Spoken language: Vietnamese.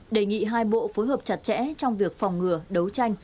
đề nghị hai bộ phối hợp chặt chẽ trong việc phòng ngừa đấu tranh